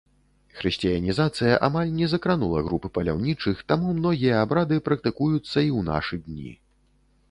Хрысціянізацыя амаль не закранула групы паляўнічых, таму многія абрады практыкуюцца і ў нашы дні.